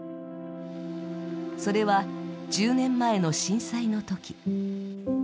それは１０年前の震災のとき。